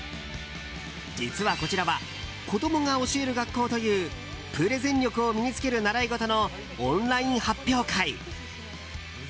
実はこちらは子どもが教える学校というプレゼン力を身に着ける習い事のオンライン発表会。